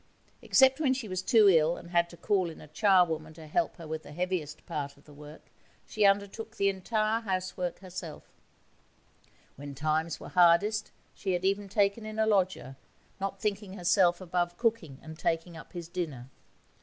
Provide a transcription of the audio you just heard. Except when she was too ill and had to call in a charwoman to help her with the heaviest part of the work, she undertook the entire housework herself: when times were hardest, she had even taken in a lodger, not thinking herself above cooking and taking up his dinner.